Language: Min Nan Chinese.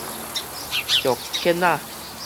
石梘仔